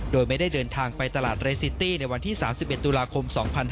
โดยไม่ได้เดินทางไปตลาดเรซิตี้ในวันที่๓๑ตุลาคม๒๕๕๙